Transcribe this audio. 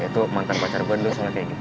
ya tuh mantan pacar gue dulu selalu kayak gitu